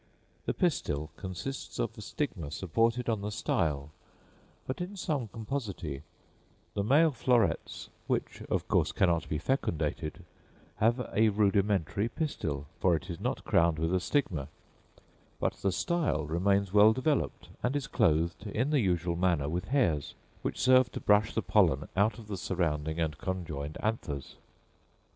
The pistil consists of a stigma supported on the style; but in some Compositæ, the male florets, which of course cannot be fecundated, have a rudimentary pistil, for it is not crowned with a stigma; but the style remains well developed and is clothed in the usual manner with hairs, which serve to brush the pollen out of the surrounding and conjoined anthers.